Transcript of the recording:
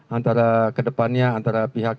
antara kedepannya antara pihak